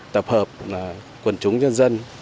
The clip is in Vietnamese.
tập hợp quần chúng dân dân